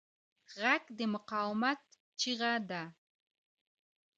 غږ د مقاومت چیغه ده